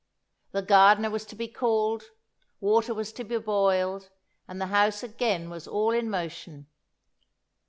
The gardener was to be called, water was to be boiled, and the house again was all in motion.